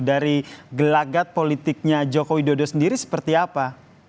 dari gelagat politiknya joko widodo sendiri seperti apa